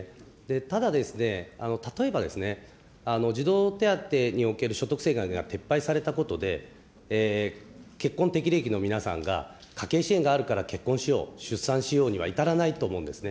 ただ、例えば、児童手当における所得制限が撤廃されたことで、結婚適齢期の皆さんが家計支援があるから結婚しよう、出産しようには至らないと思うんですね。